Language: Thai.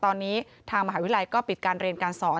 ตอนนี้ทางมหาวิทยาลัยก็ปิดการเรียนการสอน